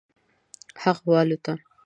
هغه والوته.